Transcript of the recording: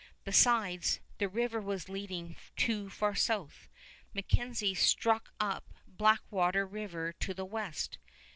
Besides, the river was leading too far south. MacKenzie struck up Blackwater River to the west.